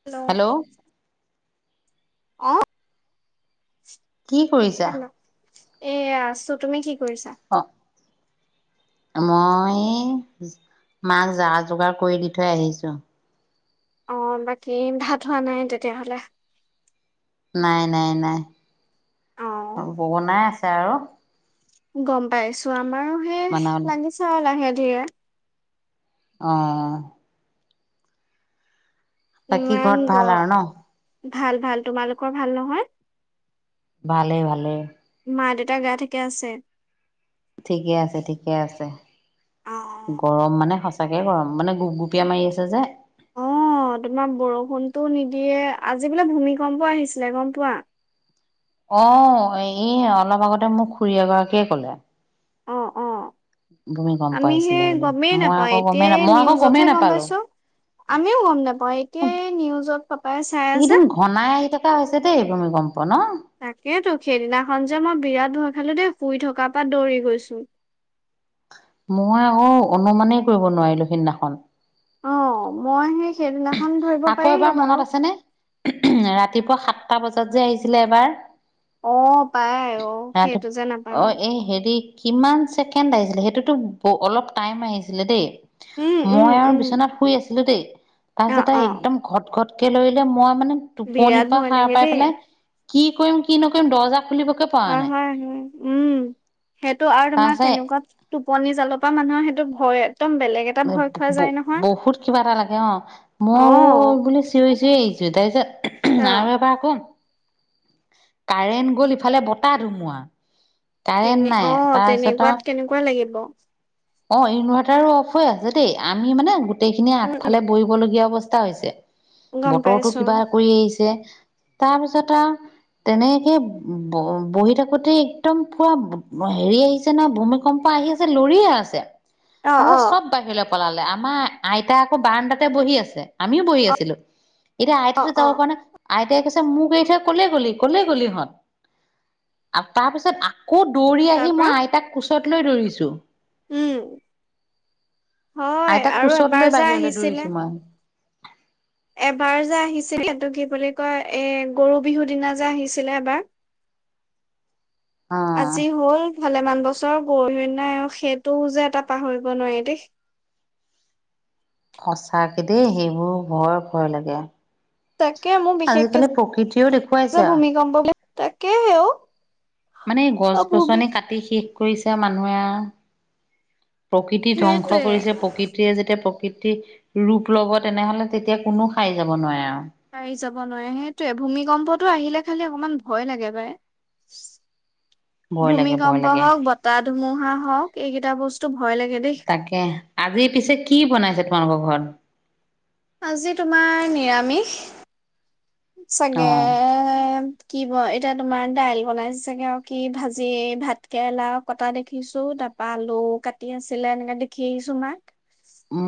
Hello অ কি কৰিছা এ আছো তুমি কি কৰিছা? অ' মই মাক যা যোগাৰ কৰি দি থৈ আহিছোঁ অ বাকী ভাত হোৱা নাই তেতিয়াহলে নাই নাই নাই অ', বনাই আছে আৰু গম পাইছো আৰু আমাৰো হে বনাবলে লাগিছে আৰু লাহে [unintelligible] আহ বাকী ইমান ঘৰত গ ভাল আৰু ন ভাল ভাল তোমালোকৰ ভাল নহয় ভালে ভালে মা দেউতাৰ গা থাকে আছে ঠিকে আছে ঠিকে আছে অ', গৰম মানে সঁচ সঁচাকে ক মানে গোপ গুপীয়া মাৰি আছে যে অ তোমাৰ বৰষুণতটো নিদিয়ে আজি বোলে ভূমিকম্প আহিছিলে গম পোৱা আহ ই অলপ আগতে মোক খুৰী এগৰাকীয়ে ক'লে অ অ ভূমিকম্প আমি আহিছিলে সেই বুলি গমেই মই নাপাওঁ আকৌ গমেই না এতিয়াই মই আকৌ গমেই নিউজতহে গম নাপালো। পাইছো আমিও গম নাপাওঁ এতিয়াই নিউজত পাপাই চাই আছে এইকেইদিন ঘনাই আহি থকা হৈছে দেই ভূমিকম্প ন? তাকেইতো সেইদিনাখন যে মই বিৰাট ভয় ইফালে শুই থকাৰ পৰা দৌৰি গৈছোঁ মই আকৌ অনুমানেই কৰিব নোৱাৰিলোঁ সিদিনাখন অ মই সেই সেইদিনাখন ধৰিব আকৌ এবাৰ পাৰিলোঁ মনত বাৰু আছেনে ৰাতিপুৱা সাতটা বজাত যে আহিছিলে এবাৰ অ পাই অ ৰাতি সেইটো যে অ নাপাওঁ এই হেৰি কিমান ছেকেণ্ড আহিছিলে সেইটোতো অলপ টাইম আহিছিলে দেই উম, উম, মই আৰু উম, বিচনাত শুই আছিলোঁ দেই অ', তাৰপিছতে অ' একদম ঘত ঘতকে লৰিলে মই মানে টোপনিৰ বিৰাট পৰা ভয় সাৰ লাগে পাই দেই। পেলাই কি কৰিম কি নকৰিম দৰ্জাখন হয় হয় হয় উম সেইটো আৰু তোমাৰ তাৰপিছত তেনেকুৱা টোপনি জালৰ পৰা মানুহৰ সেইটো ভয়ে ব বহুত কিবা এটা লাগে অ অ' মই বুলি চিঞৰিছেই যে অ' আৰু এবাৰ কম কাৰেণ্ট গ'ল ইফালে বতাহ ধুমুহা কাৰেণ্ট তেনে নাই অ তাৰপিছত আৰু তেনেকুৱাত কেনেকুৱা লাগিব অ ইনভাৰ্টাৰো অফ হৈ আছে দেই আমি মানে গোটেইখিনি উম, আগফালে কৰিবলগীয়া অৱস্থা তা হৈছে গম বতৰৰতো পাইছো কি বা কৰি আহিছে তাৰ পিছতত তেনেকে বহি থাকোতে একদম পুৰা হেৰি আহিছে না ভূমিকম্প আহি আছে লৰিয়ে আছে অ', তাৰ অ', চব বাহিৰত পলালে আমাৰ আইতা আকৌ বাৰণ্ডাতে বহি আছে আমিও বহি অ', আছিলো। এতিয়া আ অ', আইতটো যাব অ' পৰা নাই। এতিয়া কৈছে মোক এৰি থৈ ক'লৈ গলি? কলৈ গ'লি ইহঁত আৰু তাৰপিছত। আত দৌৰি তাৰ আহি পৰা মই আইতাক কোচত। কোলাত লৈ দৌৰিছো। উম হয় আইতাক আৰু কোচত লৈ এবাৰ যে বাহিৰলৈ দৌৰিছো আহিছিলে। মই এবাৰ যে আহিছিলে টো কি বুলি কয় এ গৰু বিহুৰ দিনা যে আহিছিলে এবাৰ। অ আজি হ'ল। ভালেমান বছৰ গৰু নাই আৰু সেইটোও যে এটা পাহৰিব নোৱাৰি দেই। সচাঁকে দেই সেইবোৰ ভয় ভয় লাগে। তাকে মোৰ বিশেষকে আজিকালি প্ৰকৃতিয়েও দেখুৱাইছে আৰু ভূমিকম্প। তাক হেঔ মানে গছ গছনি কাটি শেষ। কৰিছে মানুহে। প্ৰকৃতি ধ্বংস সেইটোৱে কৰিছে প্ৰকৃতিয়ে যেতিয়া প্ৰকৃত। প্ৰকৃতি ৰূপ ল'ব তেনেহ'লে। তেতিয়া কোনো সাৰি যাব নোৱাৰে আৰু সাৰি যাব নোৱাৰে সেইটোয়ে ভূমিকম্পটো আহিলে। খালি অকমান ভয় লাগে পায়। ভয় লাগে ভয় লাগে ধুমুহা হওক এইকেইটা বস্তু ভয় লাগে দেই তাকে আজি পিছে কি বনাইছে তোমালোকৰ ঘৰত। আজি তোমাৰ নিৰামিষ। অ চাগে কি ব এতিয়া তোমাৰ দাইল বনাই চাগে আৰু কি ভাজি ভাত কেৰেলা কটা দেখিছো তাৰ পৰাা আলু কাটি আছিলে এনেকে দেখি আহিছো মাক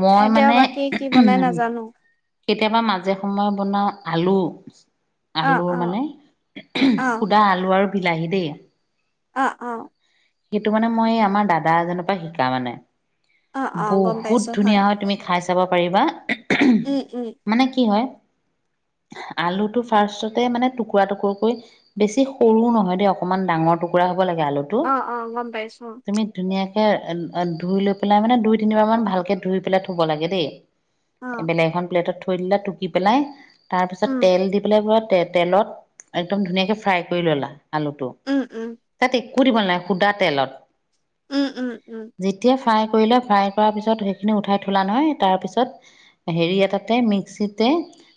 মই এতিয়া বাকী কি বনাই মানে নাজানো। কেতিয়াবা মাজে সময়ে বনাও আলু। অ আলুৰ অ মানে অ সুধা আলু আৰু বিলাহী আহি দেই। অ' অ'। সেইটো মানে মই আমাৰ দাদা এজনৰ পৰা শিকা মানে। অ অ গম পাইছো বহুত ধুনীয়া হয় তুমি খাইছা। যাব পাৰিবা। উম উম মানে কি হয় আলু টো ফাৰ্ষ মানে টুকুৰা টুকুৰকৈ বেছি সৰু নহয় দেই অকমান ডাঙৰ টুকুৰা। হ'ব লাগে আলুতো অ অ গম পাইছো তুমি ধুনীয়াকে। ধুই লৈ পেলাই মানে দুই তিনিবাৰ মান ভালকে ধুই পেলাই থব লাগে দেই অ এইবেলেগ এখন প্লেটত থৈ দিলে টুকি পেলাই তাৰপিছত উম তেল দি পেলাই বত তে তেলত একদম ধুনীয়াকে ফ্ৰাই কৰি ললা আলুটো উম উম তাতে একো দিব নালাগে সুদা তেলত উম উম উম যেতিয়া ফ্ৰাই কৰিলা‌ফ্ৰাই কৰাৰ পিছত সেইখিনি উঠাই থোলা নহয় তাৰ পিছত হেৰি এটা তে মিক্সিতে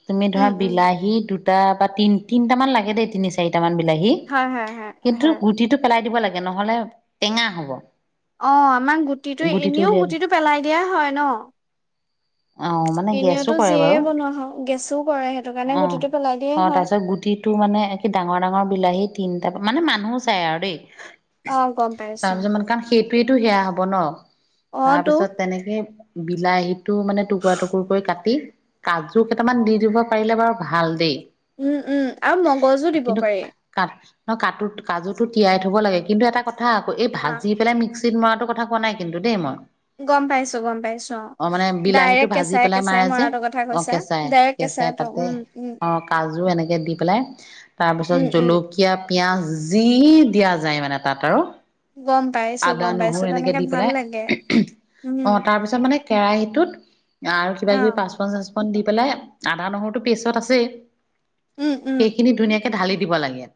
তুমি উম ধৰা উম বিলাহী দুটা দুটা বা তি তিনিটা মান লাগে দেই তিনি চাৰি কেইটামান বিলাহী হয় হয় হয় কিন্তু হয় গুটিটো পেলাই দিব লাগে নহলে টেঙা হ'ব অ আমাক গুটিটো এনেও গুটিটো পেলাই দিয়া হয় ন অ মানে গেছ অ এনেওতো যিয়ে বনোৱা হয় গেছো কৰে সেইটো কাৰণে গুটিটো পেলাই দিয়ে অ হয় তাৰপিছত গুটিটো মানে ডাঙৰ ডাঙৰ বিলাহী তিনটা মানে মানুহো চাই আৰু দেই অ গম পাই আছো অ সটো সেয়া হ'ব ন তো তাৰপিছত তেনেকে বিলাহীত মানে টু টুকুৰ কৰি কাটি কাজু কেইটামান দি দিব পাৰিলে বাৰু ভাল দেই উম উম আৰু মগজো দিব পাৰি অ কাজুটো তিয়াই থ'ব লাগে কিন্তু এটা কথা কথা আকৌ এই আহ ভাজি পেলাই মিক্স মিচকি ত‌‌মৰাটো কথা কোৱা নাই কিন্তু দেই মই গম পাইছো গম পাইছো অঁ ডাইৰেক্ কেঁচাই কেঁচাই মই অঁ কেঁচাই কেঁচাই তাতে উম উম অঁ কাজু এনেকে দি পেলাই তাৰ পিছত উম উম জলকীয়া পিঁয়াজ যি দিয়া যায় মানে তাত আৰু গম পাইছো আদা গম নহৰু পাইছো এনেকে তেনেকে দি ভাল পেলাই লাগে অঁ উম তাৰ পিছত মানে কেৰাহীটোত আৰু কিবা অ কিবি পাচ পাচপন চাচ পন দি পেলাই আদা নহৰুটো পেছত আছে উম উম সেইখিনি ধুনীয়াকে ঢালি দিব লাগে ইয়াত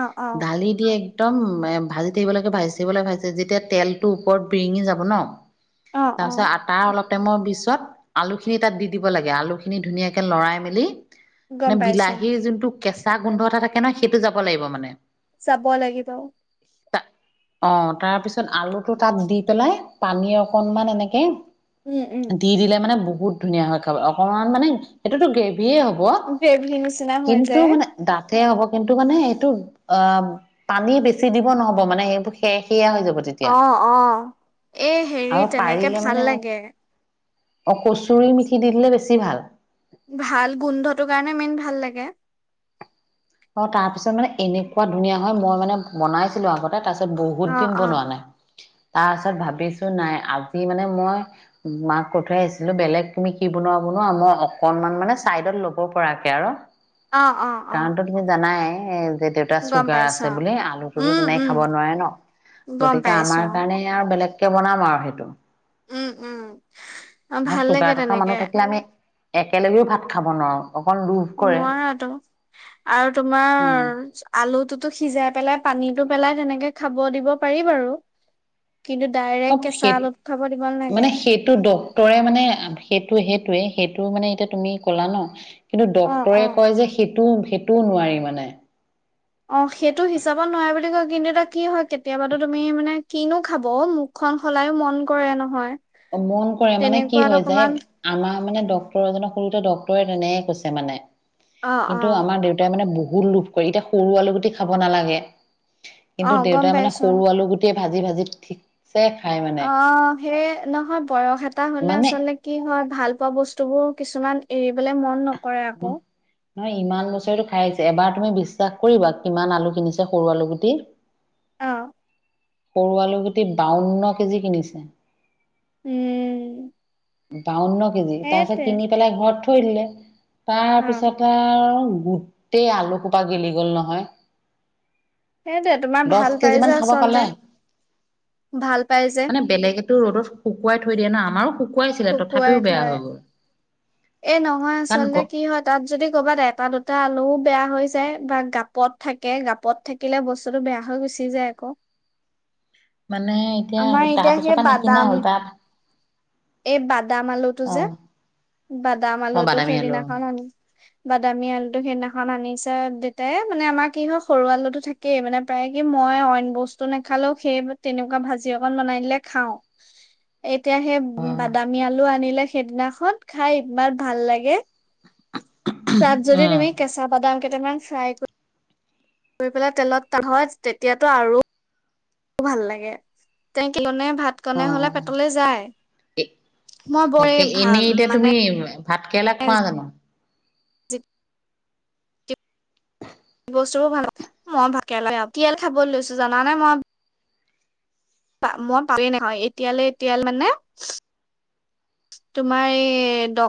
অ অ ঢালি দিয়ে একদম এ ভাজি থাকিব লাগে ভাজি থাকিব লাগে ভাজি যেতিয়া তেলটো ওপৰত বিৰিঙি যাব ন অ অ তাৰপিছত আটা অলপ আমৰ পিছত আলু খিনি তাত দি দিব লাগে আলু খিনি ধুনীয়াকে লৰাই মেলি মানে গম পাইছো বিলাহীৰ জোনটো কেঁচা গোন্ধ এটা থাকে ন সেইটো যাব লাগিব মানে চাব লাগিব অঁ তাৰপিছত আলুটো তাত দি পেলাই পানী অকনমান এনেকে উম উম দি দিলে মানে বহুত ধুনীয়া হয় খাব অকণমান মানে সেইটোতো গেভি বি হ'ব গ্ৰেভি নিচিনা হৈ কিন্তু যায় মানে দাঠ হ'ব কিন্তু মানে এইটো অঁ পানী বেছি দিব নহব মানে সেইবোৰ শেষ অঁ অঁ এই হেৰি তেনেকে ভাল লাগে অকুচ পুৰি মিঠি দি দিলে বেছি ভাল ভাল গোন্ধটো কাৰণে মেইন ভাল লাগে অঁ তাৰ পিছত মানে এনেকুৱা ধুনীয়া হয় মই মানে বনাইছিলো আগতে তাৰপিছত ত বহুত অ দিন অ বনোৱা নাই তাৰপাছত ভাবিছো নাই আজি মানে মই মাক ক থাই আহিছিলো বেলেগ তুমি কি বনোৱা বনোৱা মই অকনমান মানে চাইডত ল'ব পৰাকে আৰু অঁ অঁ অঁ চ নাই যে দেউতা চুগাৰ আছে অ', বুলি আলুটোতো উম, তেনেক উম, খাব নোৱাৰে ন গম গতিকে পাইছো আমাৰ অ', কাৰণে আৰু বেলেগ বনাম আৰু সেইটো উম, উম, অ', আৰু ভাল চুগাৰ লাগে থকা তেনেকে মানুহ থাকিলে আমি একেলগেও ভাত খা খাব নোৱাৰো অকণ লোভ কৰে। নোৱাৰা তো আৰু উম তোমাৰ আলুতো টো সিজাই পেলাই পানীটো পেলাই তেনেকে খাব দিব পাৰি বাৰু কিন্তু অ ডাইৰেক্ট কেঁচা সেই আলুত খাব দিব নালাগে মানে সেইটো ডক্তৰে মানে সেই টো সেইটোয়ে সেইটো মানে এতিয়া তুমি ক'লা ন কিন্তু অ', ডক্তৰে অ', কয় যে সেই সেইটোও সেইটোও নোৱাৰি মানে অ সেইটো হিচাপত নোৱাৰে বুলি কয় কিন্তু এয়া কি হয় কেতিয়াবাতো তুমি মানে কিনো খাব মুখখন সলায়ো মন কৰে নহয় মন কৰে মানে কি তেনেকুৱাত হয় যায় অকমান আমাৰ মানে ড্ক্তৰ এ জক সৰুতে ডক্তৰে তেনেকে কৈছে মানে অ', কিন্তু অ', আমাৰ দেউতাই মানে বহু ত গোললোভ কৰি এতিয়া সৰু আলু গুটি খাব নালাগে কিন্তু অ', গম দেউতাই মানে পাইছো সৰু আলু গোটেই ভাজি ভাজি ঠিক অ সেই নহয় বয়স এটা হলে মানে আচলতে কি হয় ভাল পোৱা বস্তুবোৰ কিছুমান এৰিবলে মন ন কৰে আকৌ নাই ইমান বছৰিতটো খাই আহছে এবাৰ তুমি বিশ্বাস কৰিবা কিমান আলু কিনিছে সৰু আলু গুটি অ', সৰু আলুকিটি বাৱন্ন কেজি কিনিছে উম বউন্ন কেজি তাৰপিছত সেইটোৱে কিনি পেলাই ঘৰত ফৰিলে অ', তাৰপিছতে আৰু গোটেই আলু কোপা গেলি গ'ল নহয়ঢ় সেইটোৱে তোমাৰ ভাল পাই যে আচলতে পালে ভাল পাই যে মানে বেলেগেতো ৰদত শুকুৱাই থৈ দিয় ন আমাৰো শুকুৱাই শুকুৱাইছিলে তথাপিও বেয়া হৈ গ'ল এ নহয় কাৰণ আচলতে গ কি হয় তাত যদি কৰ'বাত এটা দু দুটা আলুও বেয়া হৈ যায় বা গাপত থাকে গাপত থাকিলে বস্তুটো বেয়া হৈ গুচি যায় আকৌ মানে এতিয়া আমাৰ তাৰ এতিয়া পিছৰ সেই পৰা নিকিনা বাদাম হ'ল তাত এই বাদাম আলুটো অ যে বাদাম অ আলোতো বাদামী আলু সেইদিনাখন আন বাদামী আলুটো সেইদিনাখন আনিছে দেতাই মানে আমাৰ কি হয় সৰু আলুটো থাকেই মানে প্ৰায় কি মই অইন বস্তু নাখালেও সেই তেনেকুৱা ভাজি অকন বনাই দিলে খাওঁ এতিয়া সেই বাদামী আলু আনিলে সেইদিনাখন খাইবাৰ ভাল লাগে তাত যদি উম তুমি কেঁচা বাদাম কেইটামান ফ্ৰায় কৰি কৰি পেলাই তেলত হয় তেতিয়াতো আৰু ভাল লাগে তেন কে ভাত অ কনে হলে পেটলৈ যায় মই বৰ ভাল মানে ভাতকেৰেলা খোৱা জানো কি বস্তু বোৰ ভাল মই ভাতকেৰেলা বেয়া পাও খাব লৈছো জানে মই মই পামেই নহয় এতিয়ালৈ এতিয়ালৈ মানে তোমাৰ এই দ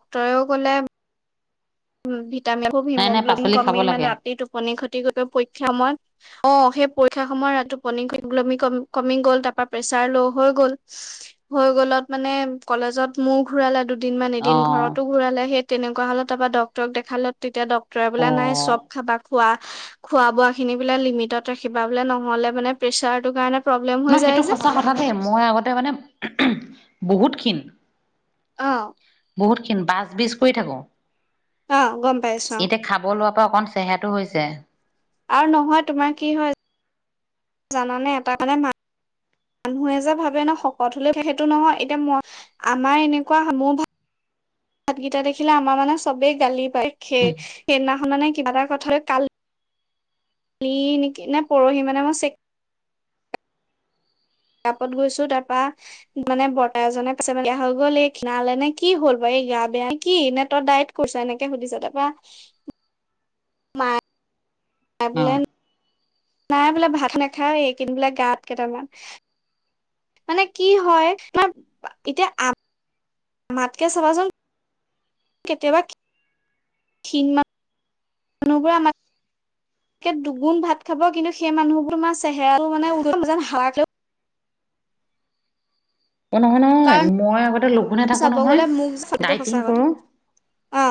ডক্টৰেও ক'লে উম খুব নাই নাই হিমোগ্লবিন পাচলি কমি খাব মানে লাগে অতি টোপনি ক্ষতি কৰিব পৰিক্ষা মই অ সেই পৰীক্ষা সময় ত টোপনি কমি গল তাৰ পৰা প্ৰেছাৰ ল' হৈ গল হৈ গলত মানে কলেজত মোৰ ঘুৰালে দু দুদিন মান অ এদিন ঘৰতো ঘূৰালে সেই তেনেকুৱা হ'ল তাৰপা দৰব দেখালত তেতিয়া ডাক্তৰে মানে নাই অ চব খাবা খোৱা খোৱা বোৱা খিনি বোলে লিমিটত ৰাখিবা বোলে নহ'লে মানে প্ৰেচাৰ টো কাৰণে প্ৰব্লেম অ হৈ যায় সেইটো যে সঁচা কথা দেই মই আগতে মানে বহুতখিনি অ বহুতখিনি বাছ বীজ কৰি থাকো অ গম পাইছো এতিয়া খাব লোৱাৰ অকন চেহেৰা টো হৈছে আৰু নহয় তোমাৰ কি হয় জানানে এটা মানে মানুহে যে ভাবে ন শকত হলে সেইটো নহয় এতিয়া মই আমাৰ এনেকুৱা মোৰ ভ ভাতকেইটা দেখিলে আমাৰ মানে চবেই গালি হে সেইদিনা শুনা নে কিবা এটা কথা কাল কালি নেকি নে পৰহি মানে মই চেক কাপত গৈছো তাৰপা মানে বৰ্তা এজনে কৈছে বিয়া হৈ গ'ল খিনালে নে কি হ'ল বা এই গা বেয়া কি নে তই ডাইত কৰিছ এনেকে সুধিছে তাৰপা ম অ পবলেম নাই বোলে ভাত নাখায় এই কেইদিন বোলে গাত কেইটামান মানে কি হয় মানে এতিয়া আমাতকে চাবাচোন কেতিয়াবা খিন মানুহবোৰ আমাৰ দুগুণ ভাত খাব কিন্তু সেই মানুহবোৰ আমাৰ চেহেৰাটো মানে উজন যেন অ নহয় নহয় কাৰণ মই আগতে লঘোনে থাকো চাব নহয় গ'লে মোক সেইটো ডাইটিং সঁচা কথা কৰো অ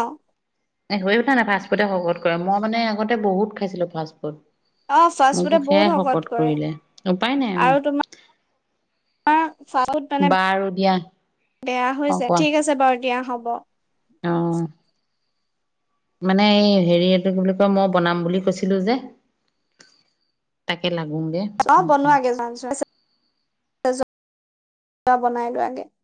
হৈ উঠা নাই ফাষ্টফুডে শকত কৰে মই মানে আগতে বহুত খাইছিলো ফাষ্টফুড অ ফাষ্ট ফুডে বহুত শকত কৰে উপায় নাই আৰু তোমাৰ ফাষ্ট ফুড মানে বাৰু দিয়া বেয়া হৈ যায় ঠিক আছে বাৰু দিয়া হ'ব আহ মানে এই হেৰি এইটো কি বুলি কয় মই বনাম বুলি কৈছিলো যে তাকে লাগ অ বনোৱাাগে যোৱা যোৱা বনাই লোৱাগে